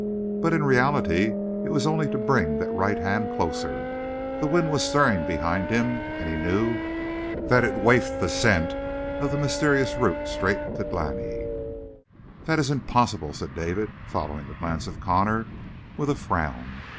But in reality, it was only to bring that right hand closer; the wind was stirring behind him, and he knew that it wafted the scent of the mysterious root straight to Glani. "That is impossible," said David, following the glance of Connor with a frown.